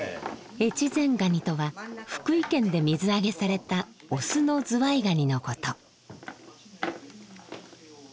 越前ガニとは福井県で水揚げされた雄のズワイガニのこと。